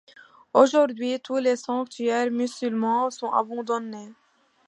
Aujourd'hui, tous les sanctuaires musulmans sont abandonnés.